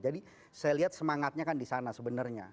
jadi saya lihat semangatnya kan di sana sebenarnya